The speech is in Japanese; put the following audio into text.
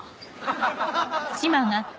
ハハハハ！